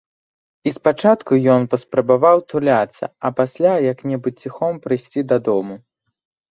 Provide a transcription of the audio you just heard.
І спачатку ён паспрабаваў туляцца, а пасля як-небудзь ціхом прыйсці дадому.